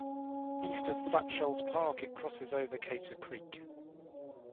East of Flat Shoals Park, it crosses over Cater Creek.